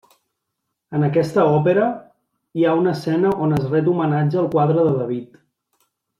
En aquesta òpera hi ha una escena on es ret homenatge al quadre de David.